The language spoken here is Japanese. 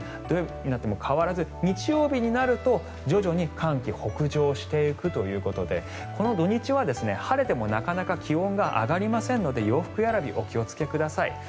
土曜日になっても変わらず日曜日になると徐々に寒気は北上していくということでこの土日は晴れてもなかなか気温が上がりませんので洋服選びお気をつけください。